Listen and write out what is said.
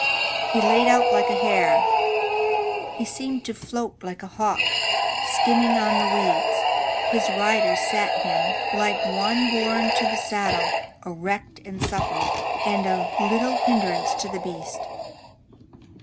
He laid out like a hare. He seemed to float like a hawk, skimming the weeds, and his rider sat him like one bom to the saddle, erect and supple, and of little hindrance to the beast.